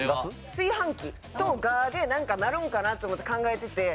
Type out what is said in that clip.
炊飯器と蛾でなんかなるんかなと思って考えてて。